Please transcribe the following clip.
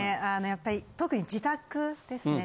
やっぱり特に自宅ですね。